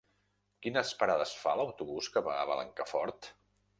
Quines parades fa l'autobús que va a Blancafort?